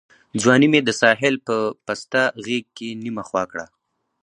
ځواني مي د ساحل په پسته غېږ کي نیمه خوا کړه